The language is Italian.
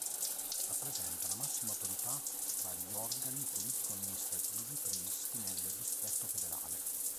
Rappresenta la massima autorità tra gli organi politico amministrativi previsti nel Distretto Federale.